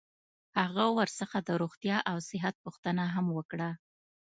هغه ورڅخه د روغتیا او صحت پوښتنه هم وکړه.